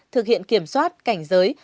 thực hiện kiểm soát cảnh giới